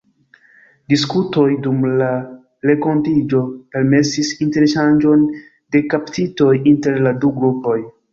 Diskutoj dum la renkontiĝo permesis interŝanĝon de kaptitoj inter la du grupoj.